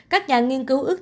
các nhà nghiên cứu ước